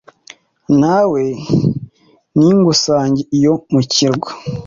nawe nigusange iyo mu kirwa